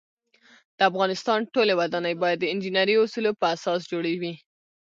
د افغانستان ټولی ودانۍ باید د انجنيري اوصولو په اساس جوړې شی